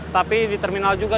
tapi di terminal juga